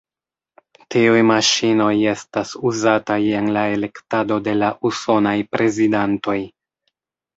Tiuj maŝinoj estas uzataj en la elektado de la usonaj prezidantoj.